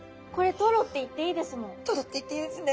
トロって言っていいですね。